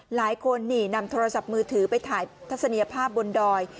หลายคนนี่นำโทรศัพท์มือถือไปถ่ายทัศนียภาพบนดอย